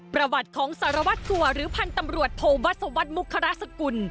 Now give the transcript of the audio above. ประวัติของสารวัตรตัวหรือพันธุ์ตำรวจโภวัสวัตรมุขรสกุล